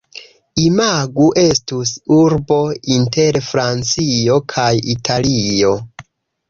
Imagu estus urbo inter Francio kaj Italio.